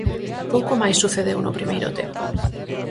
Pouco máis sucedeu no primeiro tempo.